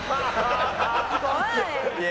怖い！